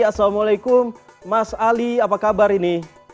assalamualaikum mas ali apa kabar ini